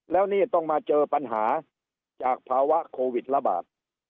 แล้วนี่ต้องมาเจอปัญหาจากภาวะโควิดระบาด